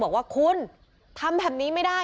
บอกว่าคุณทำแบบนี้ไม่ได้